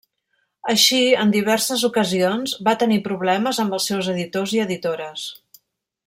Així, en diverses ocasions va tenir problemes amb els seus editors i editores.